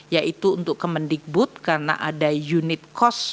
yaitu untuk kemendikbud karena ada unit kos